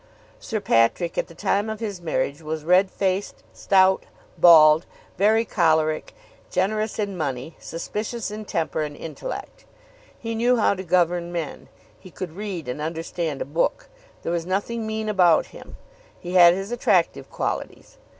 Sir Patrick at the time of his marriage was red faced, stout, bald, very choleric, generous in money, suspicious in temper, and intelligent. He knew how to govern men. He could read and understand a book. There was nothing mean about him. He had his attractive qualities.